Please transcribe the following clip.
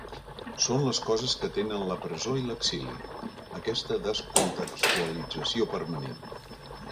Són les coses que tenen la presó i l’exili: aquesta ‘descontextualització’ permanent.